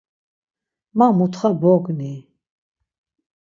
Ma mutxa bogni….